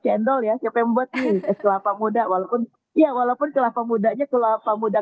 cendol ya siapa yang membuat nih es kelapa muda walaupun ya walaupun kelapa mudanya kelapa muda